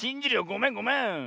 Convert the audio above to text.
ごめんごめん。